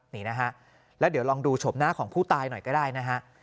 นี่นะฮะแล้วเดี๋ยวลองดูชมหน้าของผู้ตายหน่อยก็ได้นะฮะ